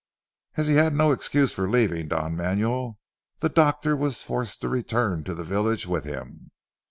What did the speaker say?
As he had no excuse for leaving Don Manuel the doctor was forced to return to the village with him.